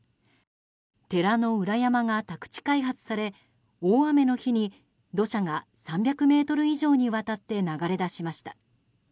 寺の裏山が宅地開発され大雨の日に土砂が３００ｍ以上にわたって流れ出しました。